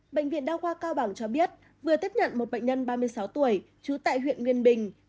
bệnh viện đa khoa cao bằng cho biết vừa tiếp nhận một bệnh nhân ba mươi sáu tuổi trú tại huyện nguyên bình